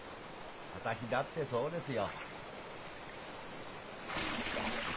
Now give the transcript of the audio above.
私だってそうですよ。